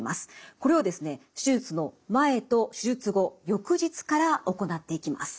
これを手術の前と手術後翌日から行っていきます。